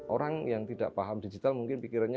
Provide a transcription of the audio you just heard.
orang yang tidak paham digital mungkin pikirannya